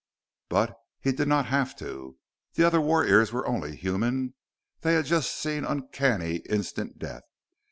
But he did not have to. The other warriors were only human. They had just seen uncanny, instant death.